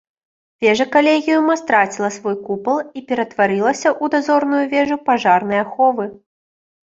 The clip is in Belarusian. Вежа калегіума страціла свой купал і ператварылася ў дазорную вежу пажарнай аховы.